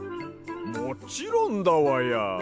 もちろんだわや！